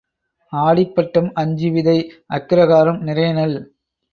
ஆடிப் பட்டம் அஞ்சு விதை அக்கிரகாரம் நிறைய நெல்.